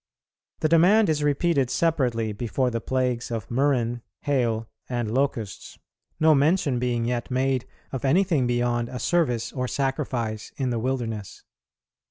The demand is repeated separately before the plagues of murrain, hail, and locusts, no mention being yet made of anything beyond a service or sacrifice in the wilderness.